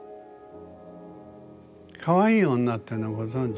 「かわいい女」ってのはご存じ？